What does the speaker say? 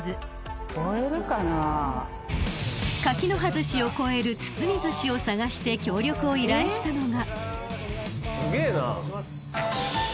ずしを超える包みずしを探して協力を依頼したのが］